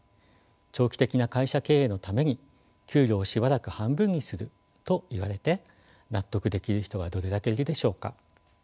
長期的な会社経営のために給料をしばらく半分にすると言われて納得できる人がどれだけいるでしょうか。